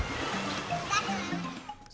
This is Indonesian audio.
saya juga terkesan bagaimana